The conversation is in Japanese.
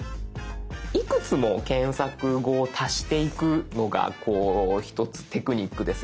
いくつも検索語を足していくのがこう一つテクニックですよね。